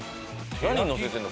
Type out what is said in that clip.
何にのせてるの？